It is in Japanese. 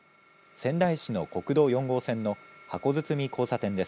仙台市の国道４号線の箱堤交差点です。